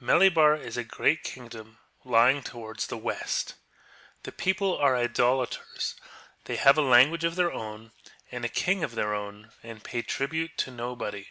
Melibar is a great kingdom lying towards the west. The people are idolaters ; they have a language of their own, and a king of their own, and jiay tribute to nohodv.'